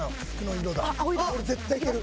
これ絶対いける。